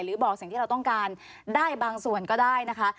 บอกสิ่งที่เราต้องการได้บางส่วนก็ได้นะคะ